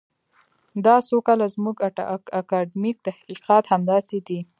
دا څو کاله زموږ اکاډمیک تحقیقات همداسې دي.